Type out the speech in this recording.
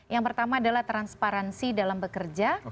yang pertama adalah transparansi dalam bekerja